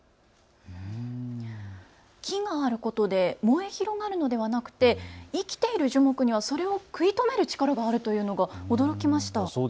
木があることで燃え広がるのではなくて生きている樹木にはそれを食い止める力があるというのが驚きました。